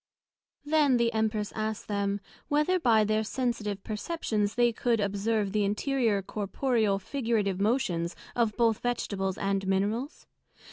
Then the Empress asked them, Whether by their Sensitive perceptions they could observe the interior corporeal, figurative Motions both of Vegetables and Minerals?